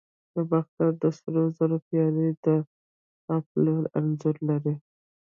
د باختر د سرو زرو پیالې د اپولو انځور لري